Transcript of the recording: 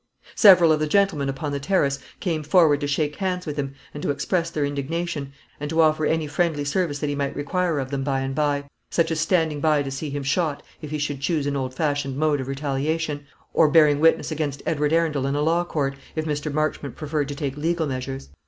Several of the gentlemen upon the terrace came forward to shake hands with him, and to express their indignation, and to offer any friendly service that he might require of them by and by, such as standing by to see him shot, if he should choose an old fashioned mode of retaliation; or bearing witness against Edward Arundel in a law court, if Mr. Marchmont preferred to take legal measures.